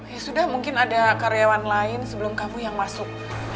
ya sudah mungkin ada karyawan lain sebelum kamu yang masuk